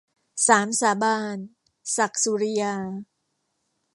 สามสาบาน - ศักดิ์ สุริยา